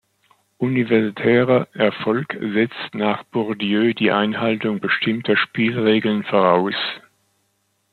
Universitärer Erfolg setzt nach Bourdieu die Einhaltung bestimmter Spielregeln voraus.